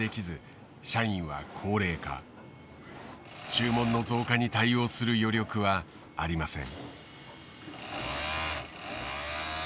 注文の増加に対応する余力はありません。